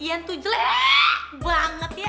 iya tuh jelek banget ya